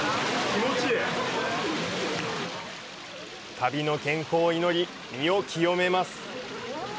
旅の健康を祈り、身を清めます。